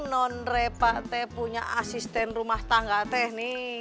nondre pak teh punya asisten rumah tangga teh nih